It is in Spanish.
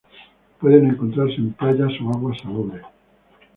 Pueden encontrarse en playas o aguas salobres.